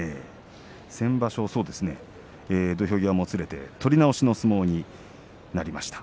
先場所土俵際もつれて取り直しの相撲になりました。